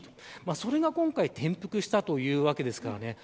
それが今回転覆したというわけですからね。